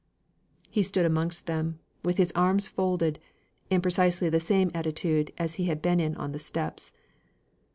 He stood amongst them with his arms folded, in precisely the same attitude as he had been in on the steps.